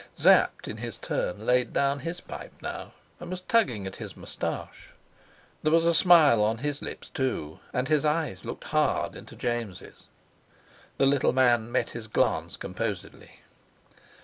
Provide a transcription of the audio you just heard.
Sapt in his turn laid down his pipe now, and was tugging at his moustache. There was a smile on his lips too, and his eyes looked hard into James's. The little man met his glance composedly.